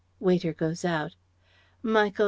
(Waiter goes out) ... "Michael!